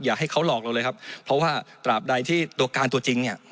อย่าให้เขาหลอกเราเลยครับเพราะว่าตราบใดที่ตัวการตัวจริงเนี่ย